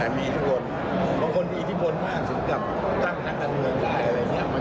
บางคนมีอิทธิพลมากถึงกับตั้งนักการเงินได้อะไรอย่างนี้